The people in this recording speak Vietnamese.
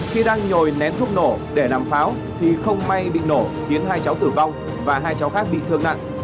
khi đang nhồi nén thuốc nổ để làm pháo thì không may bị nổ khiến hai cháu tử vong và hai cháu khác bị thương nặng